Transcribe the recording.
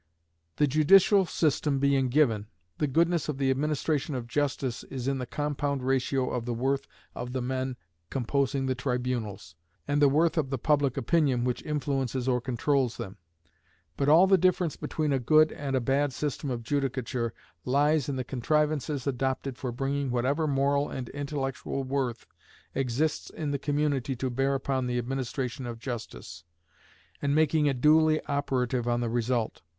The judicial system being given, the goodness of the administration of justice is in the compound ratio of the worth of the men composing the tribunals, and the worth of the public opinion which influences or controls them. But all the difference between a good and a bad system of judicature lies in the contrivances adopted for bringing whatever moral and intellectual worth exists in the community to bear upon the administration of justice, and making it duly operative on the result.